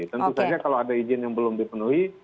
tentu saja kalau ada izin yang belum dipenuhi